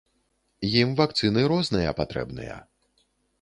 Ім вакцыны розныя патрэбныя.